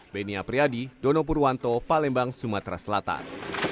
benia priadi dono purwanto palembang sumatera selatan